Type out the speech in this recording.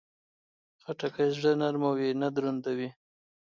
خټکی زړه نرموي، نه دروندوي.